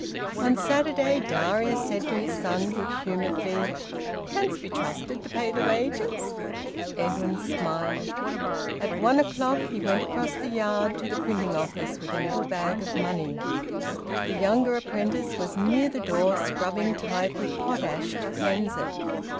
On Saturday Darius said to his son, good humouredly "Canst be trusted to pay wages?" Edwin smiled. At one o'clock he went across the yard to the printing office with a little bag of money. The younger apprentice was near the door scrubbing type with potash to cleanse it.